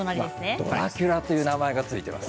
ドラキュラという名前が付いています。